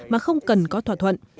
mà không cần có thỏa thuận